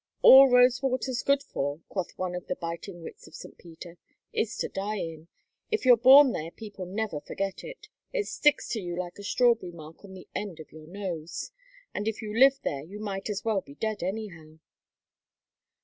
"All Rosewater's good for," quoth one of the biting wits of St. Peter, "is to die in. If you're born there people never forget it; it sticks to you like a strawberry mark on the end of your nose. And if you live there you might as well be dead, anyhow."